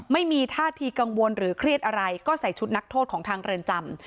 ไม่มีท่าทีกังวลหรือเครียดอะไรก็ใส่ชุดนักโทษของทางเรือนจำ